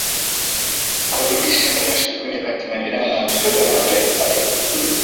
kurudisha nyuma shughuli za kimaendeleo na uchumi wa mataifa mengi